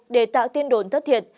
để tạo tiên đồn thất thiệt